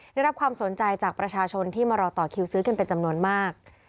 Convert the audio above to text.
ได้รับความสนใจจากประชาชนที่มารอต่อคิวซื้อกันเป็นจำนวนมาก